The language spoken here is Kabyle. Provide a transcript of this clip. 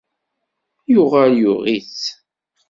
Yuɣal yuɣ-itt.